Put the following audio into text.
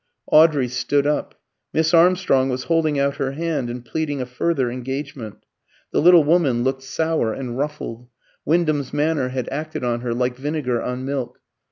Audrey stood up; Miss Armstrong was holding out her hand and pleading a further engagement. The little woman looked sour and ruffled: Wyndham's manner had acted on her like vinegar on milk.